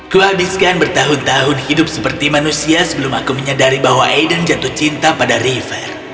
kuhabiskan bertahun tahun hidup seperti manusia sebelum aku menyadari bahwa aiden jatuh cinta pada river